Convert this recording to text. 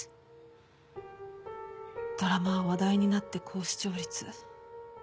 ドラマは話題になって高視聴率。